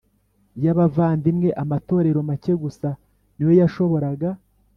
y abavandimwe Amatorero make gusa ni yo yashoboraga